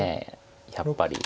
やっぱり。